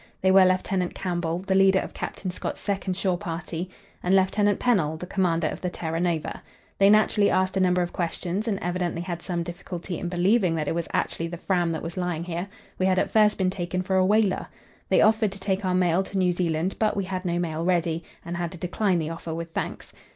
They were Lieutenant Campbell, the leader of Captain Scott's second shore party, and Lieutenant Pennell, the commander of the Terra Nova. They naturally asked a number of questions, and evidently had some difficulty in believing that it was actually the Fram that was lying here. We had at first been taken for a whaler. They offered to take our mail to New Zealand; but we had no mail ready, and had to decline the offer with thanks.